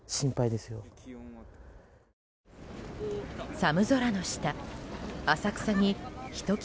寒空の下、浅草にひと際